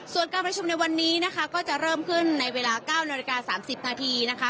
ส่วนการประชุมในวันนี้นะคะก็จะเริ่มขึ้นในเวลา๙นาฬิกา๓๐นาทีนะคะ